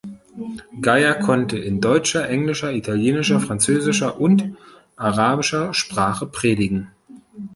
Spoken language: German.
Geyer konnte in deutscher, englischer, italienischer, französischer und arabischer Sprache predigen.